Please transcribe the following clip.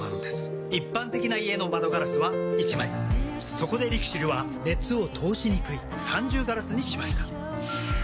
そこでＬＩＸＩＬは熱を通しにくい三重ガラスにしました。